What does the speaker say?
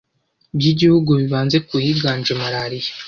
by'igihugu bibanze ku higanje malaria.